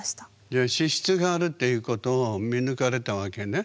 じゃあ資質があるっていうことを見抜かれたわけね。